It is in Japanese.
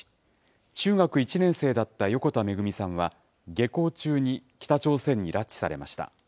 中学１年生だった横田めぐみさんは下校中に北朝鮮に拉致されました。